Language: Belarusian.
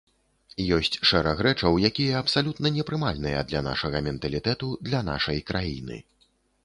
Ёсць шэраг рэчаў, якія абсалютна непрымальныя для нашага менталітэту, для нашай краіны.